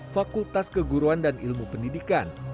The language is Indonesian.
fakultas keguruan dan ilmu pendidikan